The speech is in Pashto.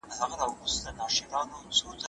ایمي د خپلو ماشومانو سره لږ وخت تېره کړ.